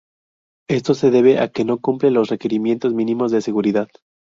Esto se debe a que no cumple los requerimientos mínimos de seguridad.